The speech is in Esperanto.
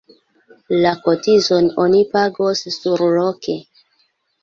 La kotizon oni pagos surloke.